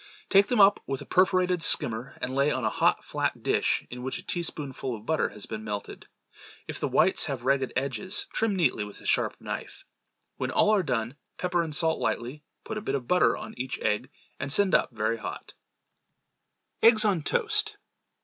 Take them up with a perforated skimmer and lay on a hot, flat dish in which a teaspoonful of butter has been melted. If the whites have ragged edges, trim neatly with a sharp knife. When all are done, pepper and salt lightly, put a bit of butter on each egg and send up very hot. Eggs on Toast.